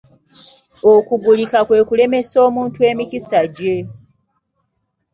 Okugulika kwe kulemesa omuntu emikisa gye.